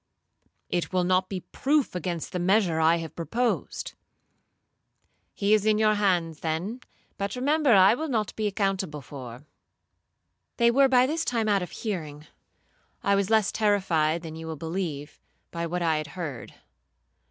—'It will not be proof against the measure I have proposed.'—'He is in your hands then; but remember I will not be accountable for—' They were by this time out of hearing. I was less terrified than you will believe, by what I had heard.